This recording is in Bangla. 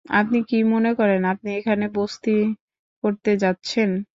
আপনি কি মনে করেন আপনি এখানে বস্তি করতে যাচ্ছেন?